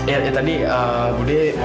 ya tadi budi